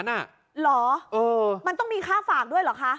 เหรอมันต้องมีค่าฝากด้วยเหรอคะ